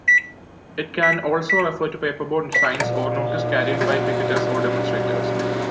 It can also refer to paperboard signs or notice carried by picketers or demonstrators.